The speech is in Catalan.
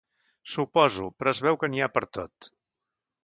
Suposo, però es veu que n'hi ha per tot.